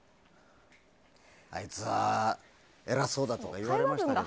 あいつは偉そうだとか言われましたよ。